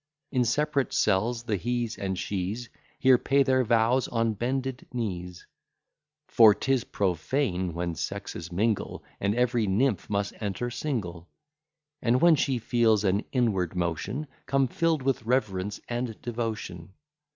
In separate cells, the he's and she's, Here pay their vows on bended knees: For 'tis profane when sexes mingle, And every nymph must enter single; And when she feels an inward motion, Come fill'd with reverence and devotion.